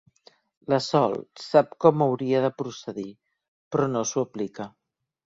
La Sol sap com hauria de procedir, però no s'ho aplica.